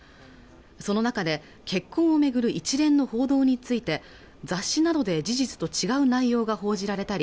その中で結婚をめぐる一連の報道について雑誌などで事実と違う内容が報じられたり